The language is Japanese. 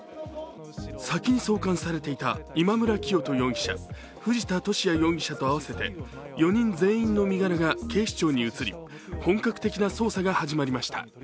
先に送還されていた今村磨人容疑者、藤田聖也容疑者と合わせて４人全員の身柄が警視庁に移り本格的な捜査が始まりました。